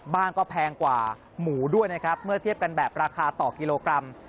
บ้างก็แพงกว่าหมูด้วยนะครับเมื่อเทียบกันแบบราคาต่อกิโลกรัม